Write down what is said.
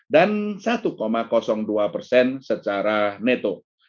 dan satu dua persen secara neto